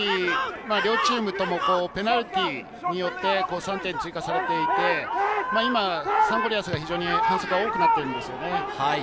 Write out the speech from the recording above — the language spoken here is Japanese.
両チームともペナルティーによって３点追加されていて、今サンゴリアスが非常に反則が多くなっていますよね。